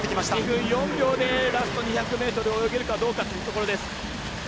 ２分４秒でラスト２００ｍ泳げるかというところ。